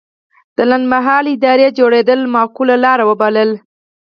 د لنډمهالې ادارې جوړېدل معقوله لاره وبلله.